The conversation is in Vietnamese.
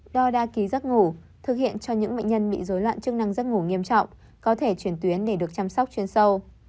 đo đa ký giấc ngủ thực hiện cho những bệnh nhân bị dối loạn chức năng giấc ngủ nghiêm trọng có thể chuyển tuyến để được chăm sóc chuyên sâu